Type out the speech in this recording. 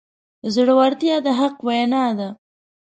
زړورتیا د حق وینا ده.